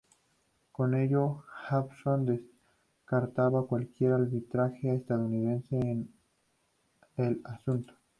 Con ello, Osborn descartaba cualquier arbitraje estadounidense en el asunto.